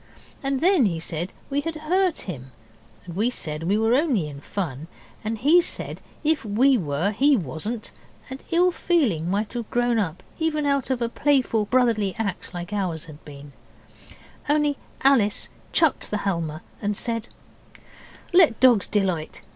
And then he said we had hurt him, and we said we were only in fun, and he said if we were he wasn't, and ill feeling might have grown up even out of a playful brotherly act like ours had been, only Alice chucked the Halma and said 'Let dogs delight.